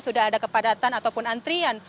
sudah ada kepadatan ataupun antrian